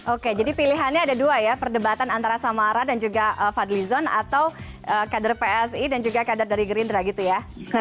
oke jadi pilihannya ada dua ya perdebatan antara samara dan juga fadli zon atau kader psi dan juga kader dari gerindra gitu ya